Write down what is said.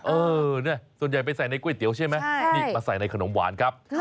เออเนี่ยส่วนใหญ่ไปใส่ในก๋วยเตี๋ยวใช่ไหมนี่มาใส่ในขนมหวานครับ